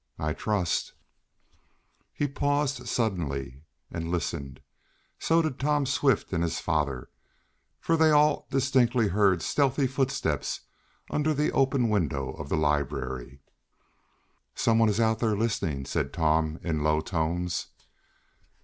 I trust " He paused suddenly, and listened. So did Tom Swift and his father, for they all distinctly heard stealthy footsteps under the open windows of the library. "Some one is out there, listening," said Tom in low tones.